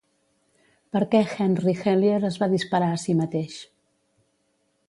Per què Henry Hellyer es va disparar a sí mateix.